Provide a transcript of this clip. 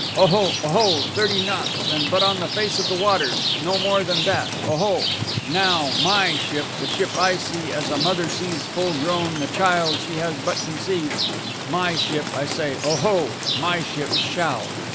"Oho, oho thirty knots, and but on the face of the waters no more than that? Oho!... Now my ship, the ship I see as a mother sees full grown the child she has but conceived my ship, I say oho! my ship shall....